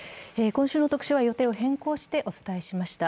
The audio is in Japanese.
今週の特集は予定を変更してお伝えしました。